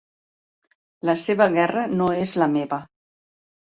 La seva guerra no és la meva.